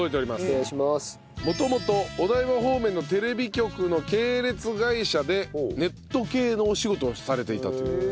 元々お台場方面のテレビ局の系列会社でネット系のお仕事をされていたという。